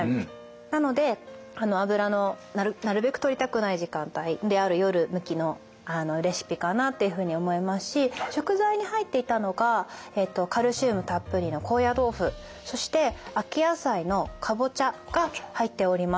なので油のなるべくとりたくない時間帯である夜向きのレシピかなっていうふうに思いますし食材に入っていたのがカルシウムたっぷりの高野豆腐そして秋野菜のカボチャが入っております。